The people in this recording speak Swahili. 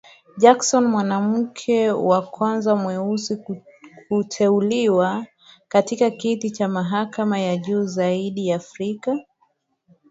Jackson mwanamke wa kwanza mweusi kuteuliwa katika kiti cha mahakama ya juu zaidi ya taifa